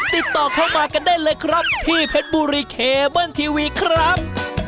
ติดต่อเข้ามากันได้เลยครับที่เพชรบุรีเคเบิ้ลทีวีครับ